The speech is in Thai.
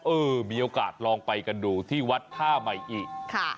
เออมีโอกาสลองไปกันดูที่วัดท่าใหม่อิค่ะ